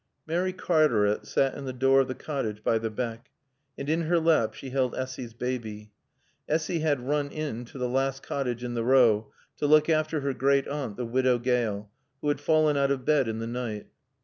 Mary Cartaret sat in the door of the cottage by the beck. And in her lap she held Essy's baby. Essy had run in to the last cottage in the row to look after her great aunt, the Widow Gale, who had fallen out of bed in the night.